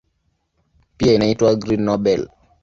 Pia inaitwa "Green Nobel".